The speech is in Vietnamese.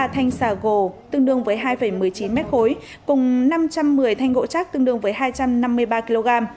hai mươi ba thanh xà gồ tương đương với hai một mươi chín m khối cùng năm trăm một mươi thanh gỗ chắc tương đương với hai trăm năm mươi ba kg